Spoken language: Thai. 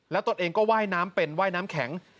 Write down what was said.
แล้วตัวเองก็ไหว้น้ำเป็นไหว้น้ำแข็ง